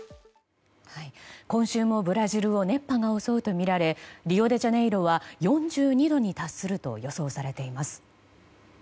今週もブラジルが熱波を襲うとみられリオデジャネイロは４２度に達すると予想されています。